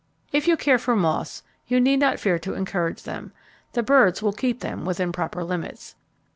If you care for moths you need not fear to encourage them; the birds will keep them within proper limits.